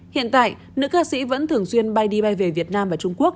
hiện tại nữ ca sĩ vẫn thường xuyên bay đi bay về việt nam và trung quốc